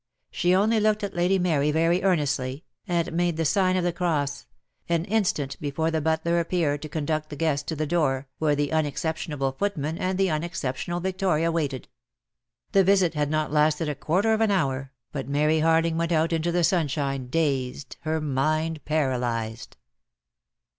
She only looked at Lady Mary very earnestly, and made the sign of the cross, an instant before the butler appeared to conduct the guest to the door, where the unex ceptionable footman and the unexceptionable Victoria waited. The visit had not lasted a quarter of an hour, but Mary Harling went out into the sunshine dazed, her mind paralysed.